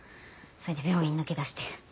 それで病院抜け出して。